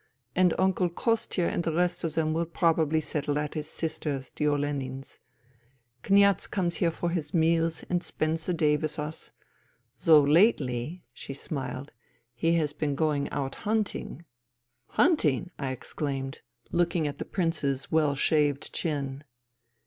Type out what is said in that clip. And Uncle Kostia and the rest of them will probably settle at his sister's, the Olenins. Kniaz comes here for his meals and spends the day with us ... though lately "— she smiled —*' he has been going out hunting." " Hunting !" I exclaimed, looking at the Prince's well shaved chin.